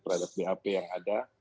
terhadap bap yang ada